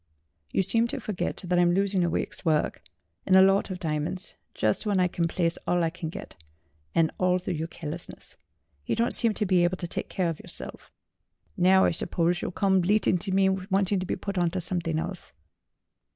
"You seem to forget that I'm losing a week's work, and a lot of diamonds just when I can place all I can get, and all through your carelessness. You don't seem to be able to take care of yourself. Now I suppose you'll come bleating to me wanting to be put on to something else."